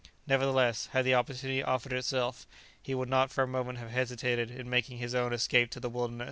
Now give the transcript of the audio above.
Nevertheless, had the opportunity offered itself, he would not for a moment have hesitated in making his own escape to the wilderness.